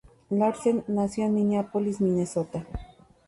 Larsen nació en Minneapolis, Minnesota.